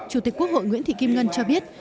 chủ tịch quốc hội nguyễn thị kim ngân cho biết